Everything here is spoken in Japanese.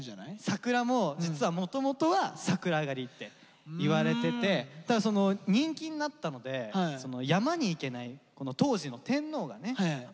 桜も実はもともとは桜狩りって言われてて人気になったので山に行けない当時の天皇がね